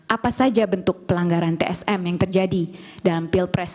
apa saja bentuk pelanggaran trsm yang terjadi dalam pilpres dua ribu dua puluh empat